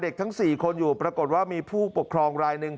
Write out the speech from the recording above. ทั้ง๔คนอยู่ปรากฏว่ามีผู้ปกครองรายหนึ่ง